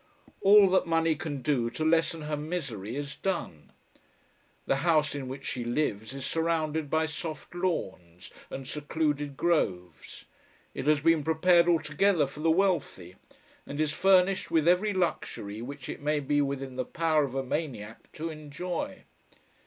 All that money can do to lessen her misery, is done. The house in which she lives is surrounded by soft lawns and secluded groves. It has been prepared altogether for the wealthy, and is furnished with every luxury which it may be within the power of a maniac to enjoy.